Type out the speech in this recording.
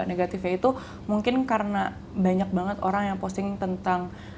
negatifnya itu mungkin karena banyak banget orang yang posting tentang